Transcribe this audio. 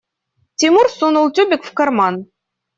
Тимур сунул тюбик в карман.